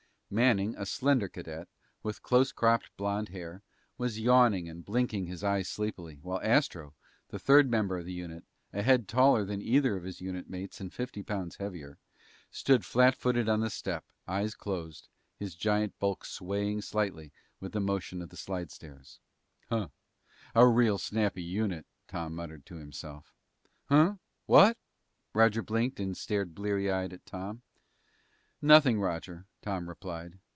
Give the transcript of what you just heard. Manning, a slender cadet, with close cropped blond hair, was yawning and blinking his eyes sleepily, while Astro, the third member of the unit, a head taller than either of his unit mates and fifty pounds heavier, stood flat footed on the step, eyes closed, his giant bulk swaying slightly with the motion of the slidestairs. "Huh! A real snappy unit!" Tom muttered to himself. "Hmmm? What?" Roger blinked and stared bleary eyed at Tom. "Nothing, Roger," Tom replied.